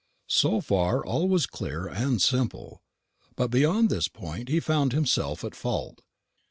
So far all was clear and simple; but beyond this point he found himself at fault.